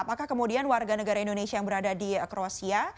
apakah kemudian warga negara indonesia yang berada di kroasia